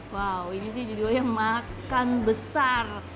wow ini sih judulnya makan besar